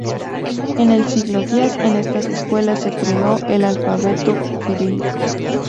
En el siglo X, en estas escuelas se creó el alfabeto cirílico.